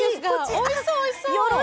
おいしそう！